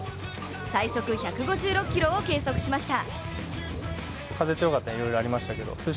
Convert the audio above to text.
最速１５６キロを計測しました。